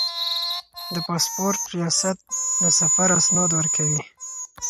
د پاسپورت ریاست د سفر اسناد ورکوي